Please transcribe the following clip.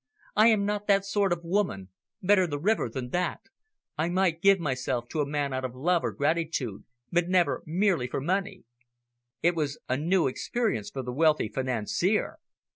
"I am not that sort of woman better the river than that. I might give myself to a man out of love or gratitude, but never merely for money." It was a new experience for the wealthy financier.